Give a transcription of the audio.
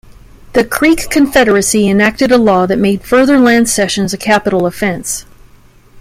The Creek Confederacy enacted a law that made further land cessions a capital offense.